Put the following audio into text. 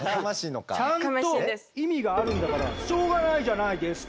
ちゃんと意味があるんだからしょうがないじゃないですカァ！